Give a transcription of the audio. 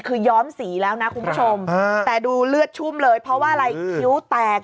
คือย้อมสีแล้วนะคุณผู้ชมแต่ดูเลือดชุ่มเลยเพราะว่าอะไรคิ้วแตก